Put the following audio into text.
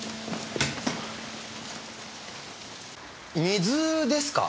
水ですか？